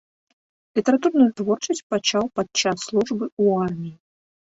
Літаратурную творчасць пачаў падчас службы ў арміі.